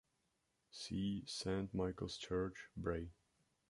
See Saint Michael's Church, Bray.